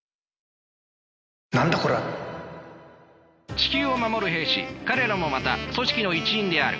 地球を守る兵士彼らもまた組織の一員である。